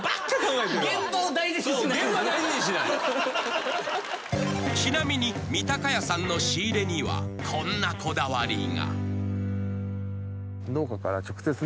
［ちなみにみたかやさんの仕入れにはこんなこだわりが］